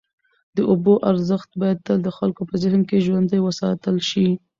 د اوبو ارزښت باید تل د خلکو په ذهن کي ژوندی وساتل سي.